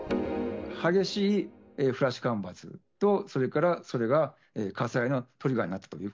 激しいフラッシュ干ばつと、それからそれが火災のトリガーになったという。